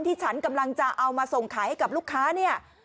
ที่ฉันกำลังจะเอามาส่งขายให้กับลูกค้าเนี่ย